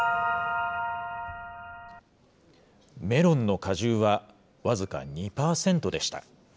メロンの果汁は僅か２％でした。